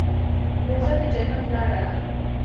روژه د جنت لاره ده.